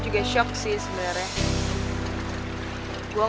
gue gak pernah percaya sama hal hal yang lu bilang